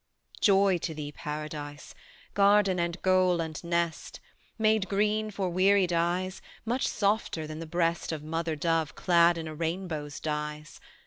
"Joy to thee, Paradise, Garden and goal and nest! Made green for wearied eyes; Much softer than the breast Of mother dove clad in a rainbow's dyes.